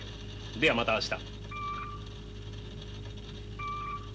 ではまた明日。